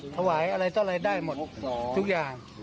ถวายอะไรได้หมดทุกอย่าง